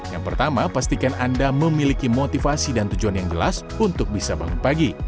yang pertama pastikan anda memiliki motivasi dan tujuan yang jelas untuk bisa bangun pagi